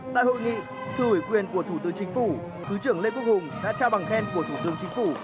tại hội nghị thư ủy quyền của thủ tướng chính phủ thứ trưởng lê quốc hùng đã trao bằng khen của thủ tướng chính phủ